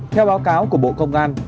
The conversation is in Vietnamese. theo báo cáo của bộ công an